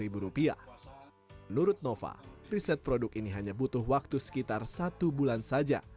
menurut nova riset produk ini hanya butuh waktu sekitar satu bulan saja